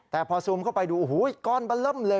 แต่พอซูมเข้าไปดูโอ้โหก้อนบะเริ่มเลย